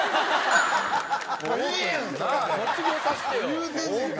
言うてんねんから。